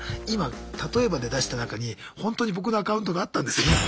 今例えばで出した中にほんとに僕のアカウントがあったんですよ。